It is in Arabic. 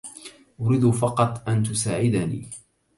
أريد فقط أن تساعدني.